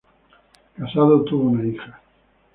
Casado, tuvo una hija.